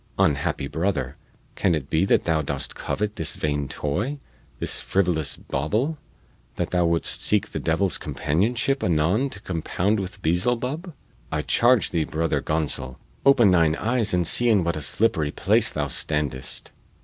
Unhappy brother, can it be that thou dost covet this vain toy, this frivolous bauble, that thou wouldst seek the devil's companionship anon to compound with Beelzelub? I charge thee, Brother Gonsol, open thine eyes and see in what a slippery place thou standest."